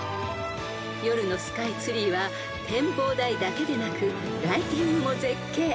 ［夜のスカイツリーは展望台だけでなくライティングも絶景］